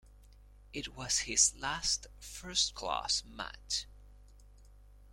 It was his last first-class match.